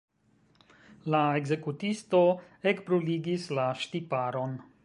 La ekzekutisto ekbruligis la ŝtiparon.